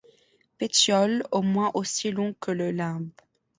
Pétiole au moins aussi long que le limbe.